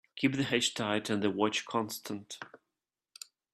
Keep the hatch tight and the watch constant.